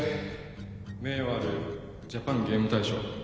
名誉あるジャパンゲーム大賞